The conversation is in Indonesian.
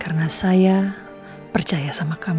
karena saya percaya sama kamu